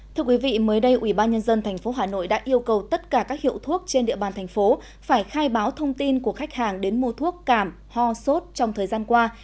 thưa quý vị mới đây ủy ban nhân dân tp hà nội đã yêu cầu tất cả các hiệu thuốc trên địa bàn thành phố phải khai báo thông tin của khách hàng đến mua thuốc cảm ho sốt trong thời gian qua